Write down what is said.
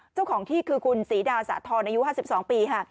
เจ้าของที่คือคุณศรีดาสาธรณอายุ๕๒ปีค่ะ